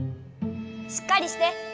しっかりして！